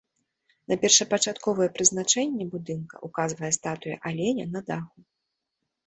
На першапачатковае прызначэнне будынка ўказвае статуя аленя на даху.